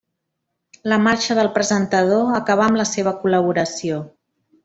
La marxa del presentador acabà amb la seva col·laboració.